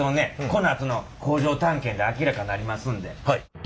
このあとの工場探検で明らかなりますんで。